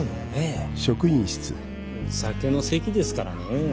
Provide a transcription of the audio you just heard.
酒の席ですからねえ。